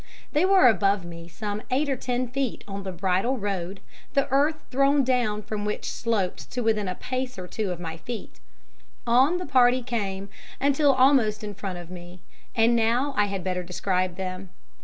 They were above me some eight or ten feet on the bridle road, the earth thrown down from which sloped to within a pace or two of my feet. On the party came, until almost in front of me, and now I had better describe them.